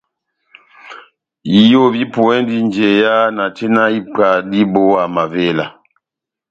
Iyo vipuwɛndi njeya na tina ipwa dibówa mavela.